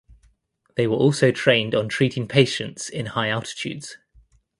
They were also trained on treating patients in high altitudes.